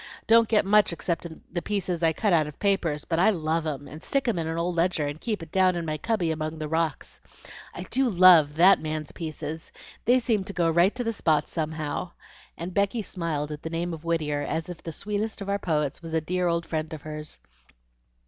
don't get much except the pieces I cut out of papers, but I love 'em, and stick 'em in an old ledger, and keep it down in my cubby among the rocks. I do love THAT man's pieces. They seem to go right to the spot somehow;" and Becky smiled at the name of Whittier as if the sweetest of our poets was a dear old friend of hers.